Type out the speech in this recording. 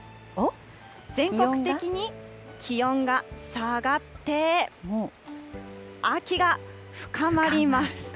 全国的に気温が下がって、秋が深まります。